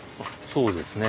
そうですね。